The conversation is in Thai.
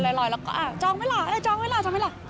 แล้วก็จองเวลาจองเวลาจองเวลา